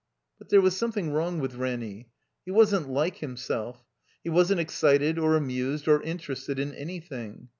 But there was something wrong with Ranny. He wasn't like himself. He wasn't excited or amused or interested in anything.